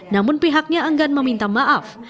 namun pihaknya enggan meminta maaf